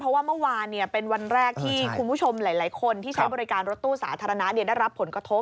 เพราะว่าเมื่อวานเป็นวันแรกที่คุณผู้ชมหลายคนที่ใช้บริการรถตู้สาธารณะได้รับผลกระทบ